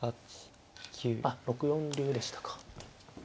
あっ６四竜でしたか。